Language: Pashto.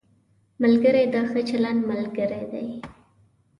ملګری د ښه چلند ملګری دی